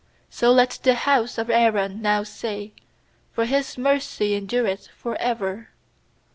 8So let the bouse of Aaron now say, For His mercy endureth for ever.